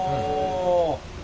お。